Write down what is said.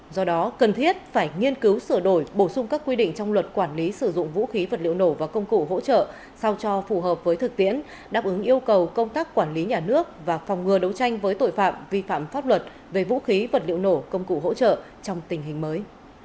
do đó cần thiết phải nghiên cứu sửa đổi bổ sung các quy định trong luật quản lý sử dụng vũ khí vật liệu nổ và công cụ hỗ trợ sao cho phù hợp với thực tiễn đáp ứng yêu cầu công tác quản lý nhà nước và phòng ngừa đấu tranh với tội phạm vi phạm pháp luật về vũ khí vật liệu nổ công cụ hỗ trợ trong tình hình mới